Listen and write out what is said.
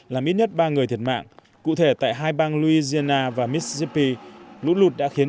làm ít nhất ba người thiệt mạng cụ thể tại hai bang louisiana và missipee lũ lụt đã khiến